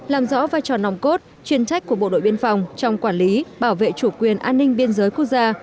làm rõ vai trò nòng cốt chuyên trách của bộ đội biên phòng trong quản lý bảo vệ chủ quyền an ninh biên giới quốc gia